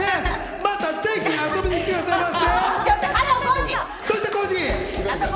またぜひ遊びに来てくださいませ。